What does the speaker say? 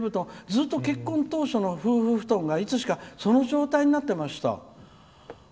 ずっと結婚当初の夫婦布団がいつしかその状態になってました」。